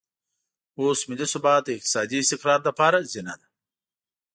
اوس ملي ثبات د اقتصادي استقرار لپاره زینه ده.